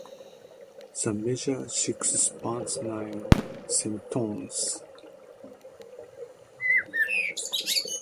The major sixth spans nine semitones.